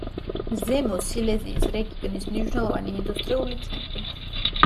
ზემო სილეზიის რეგიონის მნიშვნელოვანი ინდუსტრიული ცენტრი.